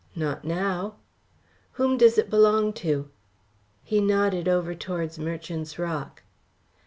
"Not now." "Whom does it belong to?" He nodded over towards Merchant's Rock.